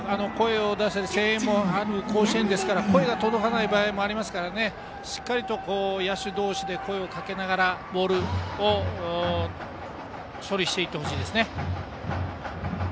声援もある甲子園ですから声が届かない場合もあるのでしっかりと野手同士で声をかけ合いながらボールを処理してほしいですね。